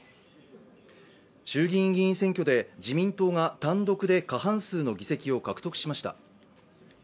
衆議院議員選挙で自民党が単独で過半数の議席を獲得しました。